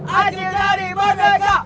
acil jadi merdeka